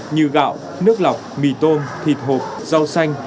như gạo nước lọc mì tôm thịt hộp rau xanh